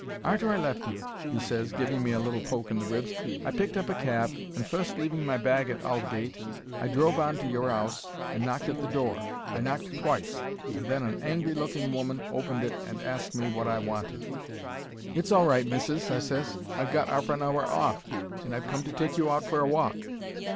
"Arter I left you," he ses, giving me a little poke in the ribs, "I picked up a cab and, fust leaving my bag at Aldgate, I drove on to your 'ouse and knocked at the door. I knocked twice, and then an angry looking woman opened it and asked me wot I wanted. "'It's all right, missis,' I ses. 'I've got 'arf an hour off, and I've come to take you out for a walk.'